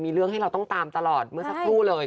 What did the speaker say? มีเรื่องให้เราต้องตามตลอดเมื่อสักครู่เลย